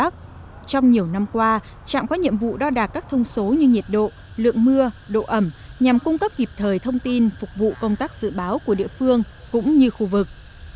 trong nhiều năm qua trạm có nhiệm vụ đo đạt các thông số như nhiệt độ lượng mưa độ ẩm nhằm cung cấp kịp thời thông tin phục vụ công tác dự báo của địa phương cũng như khu vực